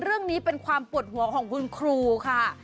เรื่องนี้เป็นความปวดหัวของคุณครูค่ะ